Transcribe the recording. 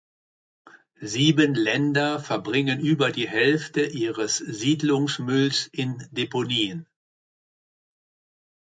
Sieben Länder verbringen über die Hälfte ihres Siedlungsmülls in Deponien.